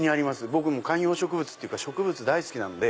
僕観葉植物っていうか植物大好きなんで。